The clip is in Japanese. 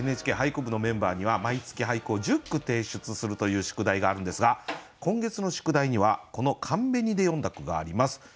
「ＮＨＫ俳句部」のメンバーには毎月俳句を１０句提出するという宿題があるんですが今月の宿題にはこの「寒紅」で詠んだ句があります。